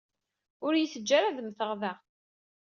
Ur yi-ttaǧǧa ara ad mmteɣ da.